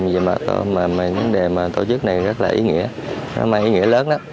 về vấn đề tổ chức này rất là ý nghĩa rất là ý nghĩa lớn đó